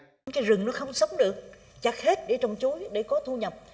cái rừng nó không sống được chặt hết để trồng chuối để có thu nhập